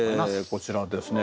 こちらですね。